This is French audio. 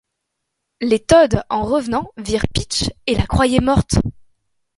Les Toad en revenant virent Peach et la croyaient morte.